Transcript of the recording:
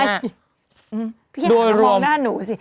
พี่ก็ออกหันต้องมองหน้าหนูสิ